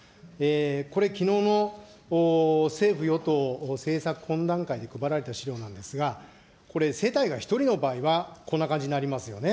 これ、きのうの政府与党政策懇談会で配られた資料なんですが、これ、世帯が１人の場合はこんな感じになりますよね。